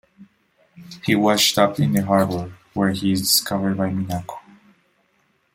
He washes up in the harbor, where he is discovered by Minako.